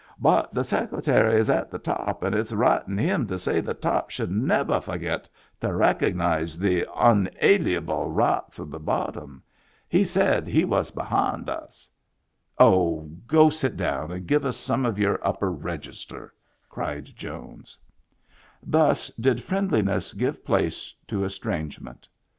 "But the Secretary is at the top and it's right in him to say the top should nevah forget to recognize the onaliable rights of the bottom. He said he was behind us.'* Digitized by Google IN THE BACK 103 " Oh, go sit down and give us some of your upper register !" cried Jones. Thus did friendliness give place to estrange ment.